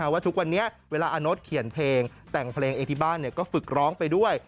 ว่าทุกวันนี้เวลาอาโน๊ตเขียนเพลงแต่งเพลงเองที่บ้านก็ฝึกร้องไปด้วย